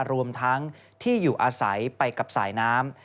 รวมทั้งที่อยู่อาศัยไปกับสายน้ำ